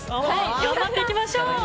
頑張っていきましょう。